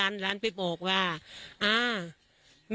ฉันไม่เคยฉันไม่รู้เลยค่ะและหลานไปบอกว่า